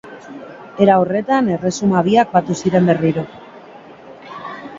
Era horretan erresuma biak batu ziren berriro.